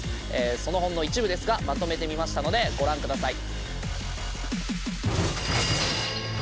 そのほんの一部ですがまとめてみましたのでご覧下さい。